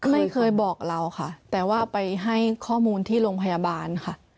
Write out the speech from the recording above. ไม่เคยบอกเราค่ะแต่ว่าไปให้ข้อมูลที่โรงพยาบาลค่ะ